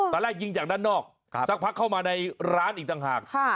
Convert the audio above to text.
แต่ไล่ยิงจากด้านนอกครับสักพักเข้ามาในร้านอีกต่างหากค่ะ